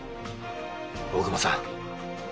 大隈さん。